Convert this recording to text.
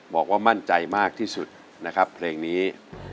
บอกว่ามั่นใจมากที่สุดนะครับเพลงนี้